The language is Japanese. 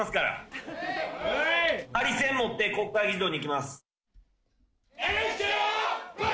ハリセン持って国会議事堂に行きます。